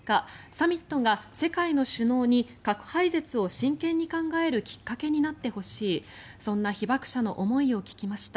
サミットが世界の首脳に核廃絶を真剣に考えるきっかけになってほしいそんな被爆者の思いを聞きました。